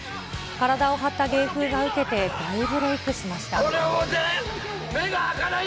体を張った芸風が受けて、大ブレークしました。